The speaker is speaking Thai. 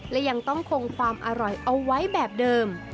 และยังต้องคงความอร่อยเอาไว้แบบเดิม